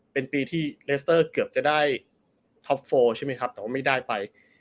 เป็นปีที่เลสเตอร์เกือบจะได้ท็อปโฟใช่ไหมครับแต่ว่าไม่ได้ไป